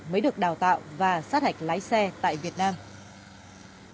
mới được đào tạo và sát hạch lái xe